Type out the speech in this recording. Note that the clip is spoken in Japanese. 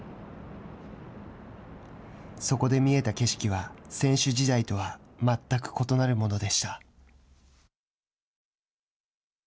そこで見えた景色は選手時代とは全く異なるものでした。